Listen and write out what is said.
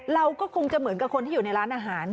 เราก็คงจะเหมือนกับคนที่อยู่ในร้านอาหาร